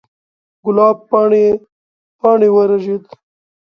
ګلاب پاڼې، پاڼې ورژید